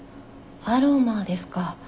アロマですか。